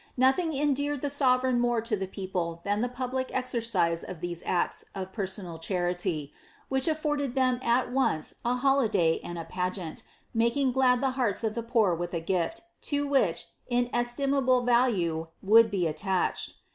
Nothing eudeared the sovereign more to the people than the public exercise of these acts of personal charity, which afforded them at once a holiday and a pageant, making glad the hearts of the poor with a gift, to which inestimable value would be attached.